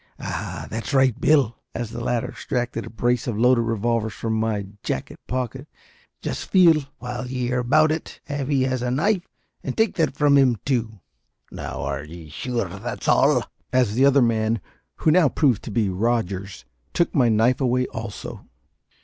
Ah, that's right, Bill," as the latter extracted a brace of loaded revolvers from my jacket pocket; "just feel, while ye're about it, av he has a knife, and take that from him, too. Now, are ye sure that's all?" as the other man who now proved to be Rogers took my knife away also.